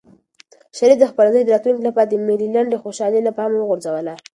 شریف د خپل زوی د راتلونکي لپاره د مېلې لنډه خوشحالي له پامه وغورځوله.